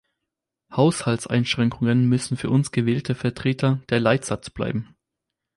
Haushaltseinschränkungen müssen für uns gewählte Vertreter der Leitsatz bleiben.